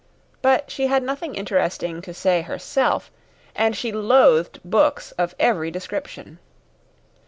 But she had nothing interesting to say herself, and she loathed books of every description.